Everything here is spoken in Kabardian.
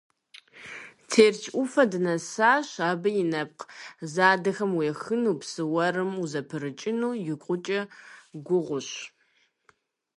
Тэрч Ӏуфэ дынэсащ, абы и нэпкъ задэхэм уехыну, псы уэрым узэпрыкӀыну икъукӀэ гугъущ.